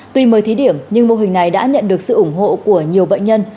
tuy mới thí điểm nhưng mô hình này đã nhận được sự ủng hộ của nhiều bệnh nhân